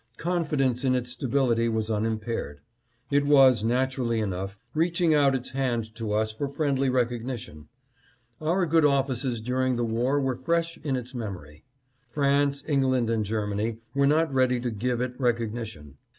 Confidence in its stability was unimpaired. It was, naturally enough, reaching out its hand to us for friendly recog nition. Our good offices during the war were fresh in its memory. France, England and Germany were not ready to give it recognition.